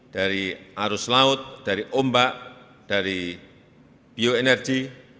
dari arus laut dari ombak dari bioenergi